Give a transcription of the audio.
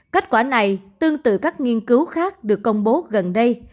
kết quả này tương tự các nghiên cứu khác được công bố gần đây